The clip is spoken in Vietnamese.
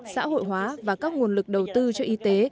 xã hội hóa và các nguồn lực đầu tư cho y tế